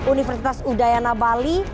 universitas udayana bali